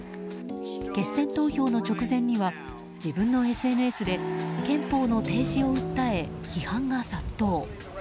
決選投票の直前には自分のＳＮＳで憲法の停止を訴え、批判が殺到。